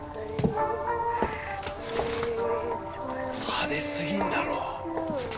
派手すぎるだろ！